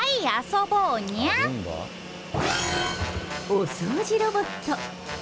お掃除ロボット。